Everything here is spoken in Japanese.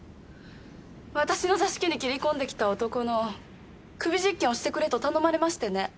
私の座敷に斬り込んできた男の首実検をしてくれと頼まれましてね。